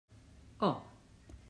Oh.